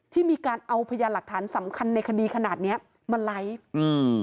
ที่มีการเอาพยานหลักฐานสำคัญในคดีขนาดเนี้ยมาไลฟ์อืม